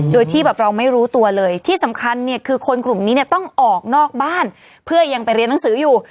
โดยที่แบบเราไม่รู้ตัวเลยที่สำคัญเนี่ยคือคนกลุ่มนี้เนี่ยต้องออกนอกบ้านเพื่อยังไปเรียนหนังสืออยู่